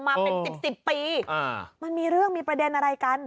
มาเป็น๑๐ปีมันมีเรื่องมีประเด็นอะไรกัน